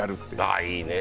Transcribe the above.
ああいいね！